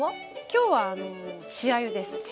今日は稚あゆです。